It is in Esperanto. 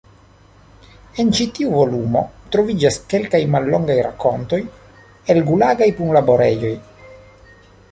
En ĉi tiu volumo troviĝas kelkaj mallongaj rakontoj el Gulagaj punlaborejoj.